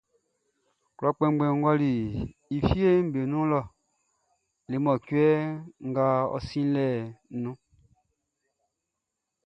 Klɔ kpɛnngbɛnʼn ɔli e fieʼm be nun le mɔcuɛ ngʼɔ sinnin lɛʼn nun.